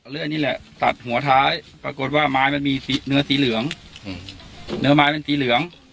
เลือดนี่แหละตัดหัวท้ายปรากฏว่าไม้มันมีเนื้อสีเหลืองเนื้อไม้เป็นสีเหลือง